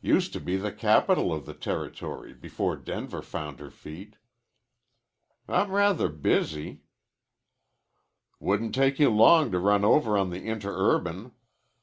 Used to be the capital of the territory before Denver found her feet." "I'm rather busy." "Wouldn't take you long to run over on the interurban."